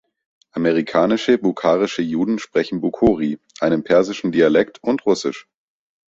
Amerikanische bukharische Juden sprechen Bukhori, einen persischen Dialekt, und Russisch.